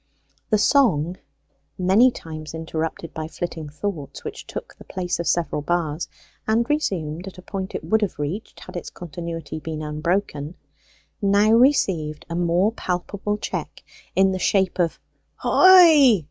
The song (many times interrupted by flitting thoughts which took the place of several bars, and resumed at a point it would have reached had its continuity been unbroken) now received a more palpable check, in the shape of "Ho i i i i i!"